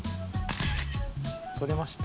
撮れました？